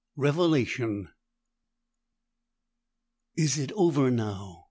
Revelation "Is it over now?"